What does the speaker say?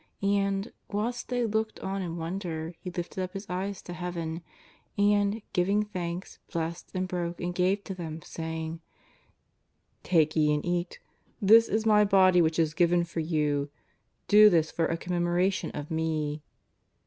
And, whilst they looked on in wonder, He lifted up His eyes to Heaven, and, giving thanks, blessed, and broke, and gave to them, saying: ^^ Take ye and eat, this is My Body which is given for you. Do this for a commemoration of Me."